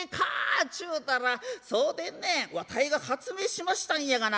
っちゅうたら『そうでんねんわたいが発明しましたんやがな。